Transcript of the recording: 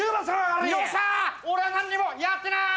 俺は何にもやってない！